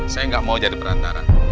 saya nggak mau jadi perantara